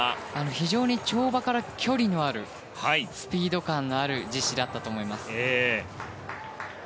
非常に跳馬から距離のあるスピード感のある実施だったと思います。